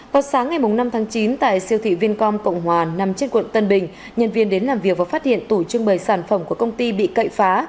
vào sáng ngày năm tháng chín tại siêu thị vincom cộng hòa nằm trên quận tân bình nhân viên đến làm việc và phát hiện tủ trưng bày sản phẩm của công ty bị cậy phá